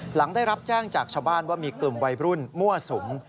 หลังได้รับแจ้งจากชาวบ้านว่ามีกลุ่มวัยรุ่นมั่วสุม